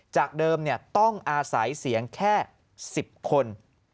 จากเดิมต้องอาศัยเสียงแค่๑๐คน